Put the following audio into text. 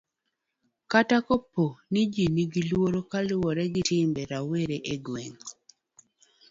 kata kapo ni ji nenigi luoro kaluwore gi timbe rowere e gweng'